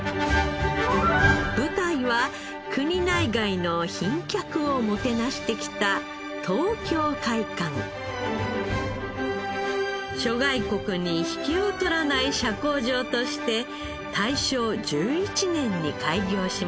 舞台は国内外の賓客をもてなしてきた諸外国に引けを取らない社交場として大正１１年に開業しました。